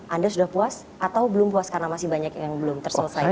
anda sudah puas atau belum puas karena masih banyak yang belum terselesaikan